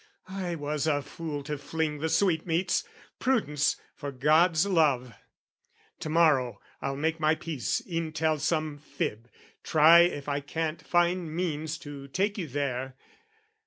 I was a fool "To fling the sweetmeats. Prudence, for God's love! "To morrow I'll make my peace, e'en tell some fib, "Try if I can't find means to take you there."